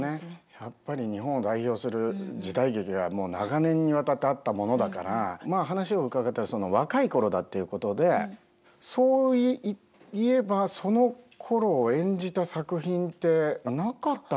やっぱり日本を代表する時代劇がもう長年にわたってあったものだからまあ話を伺ったらその若い頃だっていうことでそういえばそのころを演じた作品ってなかったなと思うと。